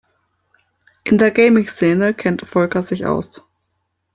In der Gaming-Szene kennt Volker sich aus.